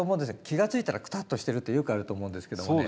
気が付いたらクタッとしてるってよくあると思うんですけどもね。